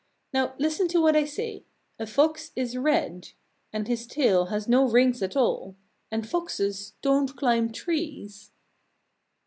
"Now listen to what I say: A Fox is red. And his tail has no rings at all. And Foxes don't climb trees."